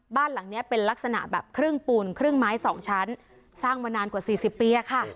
บ้านหลังนี้เป็นลักษณะแบบครึ่งปูนครึ่งไม้สองชั้นสร้างมานานกว่าสี่สิบปีค่ะ